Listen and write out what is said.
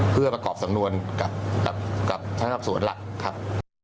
เพื่อประกอบสังนวนกับท่านครับส่วนหลักครับ